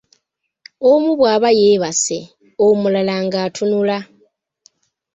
Omu bw'aba yeebase, omulala ng'atunula.